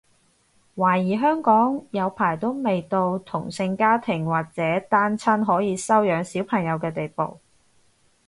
懷疑香港有排都未到同性家庭或者單親可以收養小朋友嘅地步